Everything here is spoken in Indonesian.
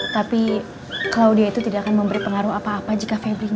tapi claudia itu tidak akan memberi pengaruh apa apa jika febri